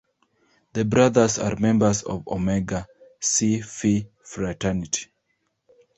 The brothers are members of Omega Psi Phi fraternity.